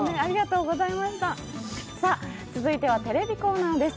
続いてはテレビコーナーです。